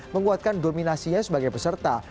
menguatkan dominasinya sebagai peserta